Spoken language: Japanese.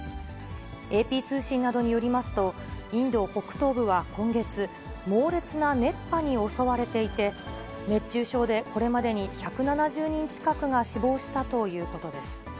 ＡＰ通信などによりますと、インド北東部は今月、猛烈な熱波に襲われていて、熱中症でこれまでに１７０人近くが死亡したということです。